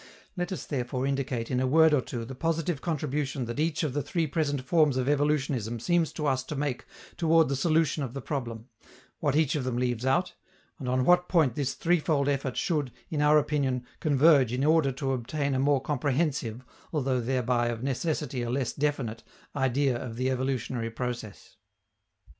Let us therefore indicate in a word or two the positive contribution that each of the three present forms of evolutionism seems to us to make toward the solution of the problem, what each of them leaves out, and on what point this threefold effort should, in our opinion, converge in order to obtain a more comprehensive, although thereby of necessity a less definite, idea of the evolutionary process.